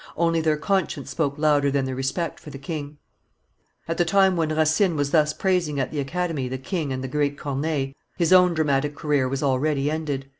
Only their conscience spoke louder than their respect for the king. [Illustration: Racine 646] At the time when Racine was thus praising at the Academy the king and the great Corneille, his own dramatic career was already ended.